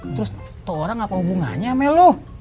terus itu orang apa hubungannya sama lo